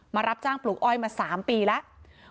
รับจ้างปลูกอ้อยมา๓ปีแล้ว